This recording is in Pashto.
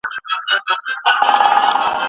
د غلا سزا په شريعت کي روښانه ده.